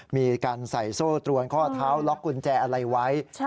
มีการใส่โซ่ตรวนข้อเท้าล็อกกุญแจอะไรไว้